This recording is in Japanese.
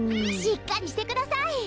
しっかりしてください！